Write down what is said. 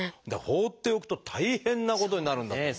放っておくと大変なことになるんだと。